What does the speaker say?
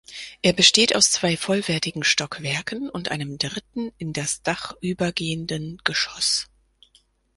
Er besteht aus zwei vollwertigen Stockwerken und einem dritten, in das Dach übergehenden Geschoss.